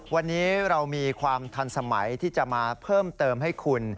วันนี้เรามีความทันสมัยที่จะมาเพิ่มเติมให้คุณ